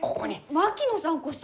槙野さんこそ！